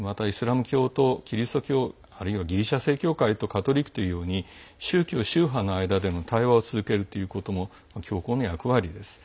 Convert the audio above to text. また、イスラム教徒とキリスト教徒あるいはギリシャ正教会カトリックというように宗派の間でも対話を続けるということも教皇の役割です。